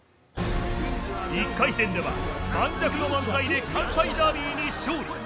１回戦では盤石のお笑いで関西ダービーに勝利。